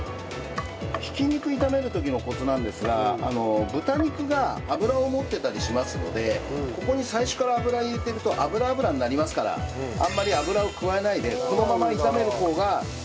挽き肉炒める時のコツなんですが豚肉が脂を持ってたりしますのでここに最初から油を入れてると油油になりますからあんまり油を加えないでこのまま炒める方がいいですね